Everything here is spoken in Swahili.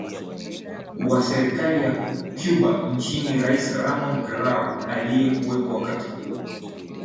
Wa serikali ya Cuba chini ya Rais Ramón Grau aliyekuwepo wakati huo